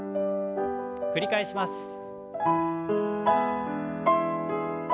繰り返します。